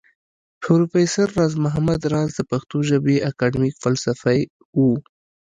پروفېسر راز محمد راز د پښتو ژبى اکېډمک فلسفى و